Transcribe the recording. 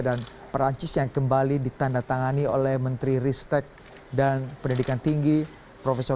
dan perancis yang kembali ditandatangani oleh menteri riset dan pendidikan tinggi profesor